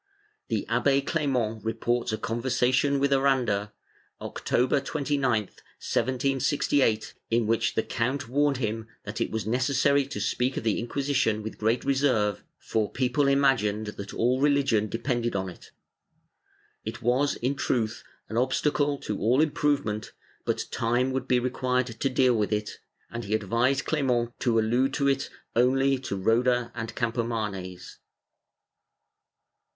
The Abbe Clement reports a conver sation with Aranda, October 29, 1768, in which the count warned him that it was necessary to speak of the Inquisition with great reserve, for people imagined that all religion depended on it; it was, in truth, an obstacle to all improvement, but time would be required to deal with it, and he advised Clement to allude to it only to Roda and Campomanes.